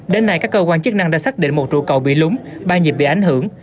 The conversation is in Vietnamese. đến nay các cơ quan chức năng đã xác định một trụ cầu bị lúng ba nhịp bị ảnh hưởng